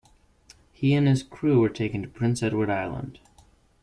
He and his crew were taken to Prince Edward Island.